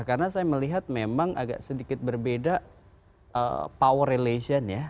karena saya melihat memang agak sedikit berbeda power relation ya